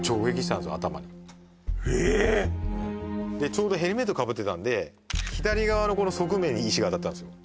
ちょうどヘルメットかぶってたんで左側の側面に石が当たったんです